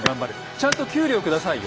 ちゃんと給料下さいよ。